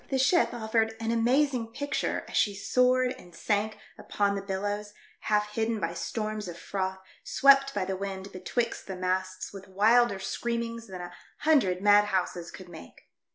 The ship offered an amazing picture as she soared and sank upon the billows, half hidden by storms of froth swept by the wind betwixt the masts with wilder screaminos than a hundred mad houses could make.